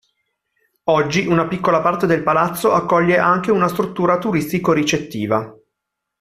Oggi una piccola parte del palazzo accoglie anche una struttura turistico ricettiva.